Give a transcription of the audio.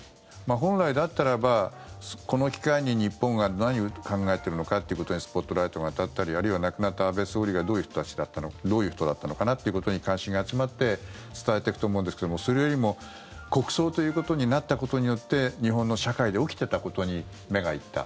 本来だったらばこの機会に日本が何を考えてるのかってことにスポットライトが当たったりあるいは亡くなった安倍元総理がどういう人だったのかなってことに関心が集まって伝えていくと思うんですけどもそれよりも、国葬ということになったことによって日本の社会で起きていたことに目が行った。